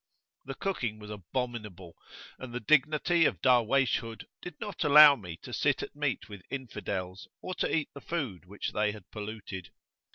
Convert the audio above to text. The cooking was abominable, and the dignity of Darwaysh hood did not allow me to sit at meat with Infidels or to eat the food which they had polluted.